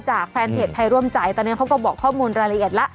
แฟนเพจไทยร่วมใจตอนนี้เขาก็บอกข้อมูลรายละเอียดแล้ว